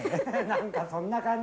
何かそんな感じ